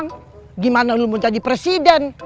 gimana lu mau jadi presiden